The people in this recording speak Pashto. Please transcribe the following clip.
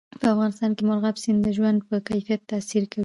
په افغانستان کې مورغاب سیند د ژوند په کیفیت تاثیر کوي.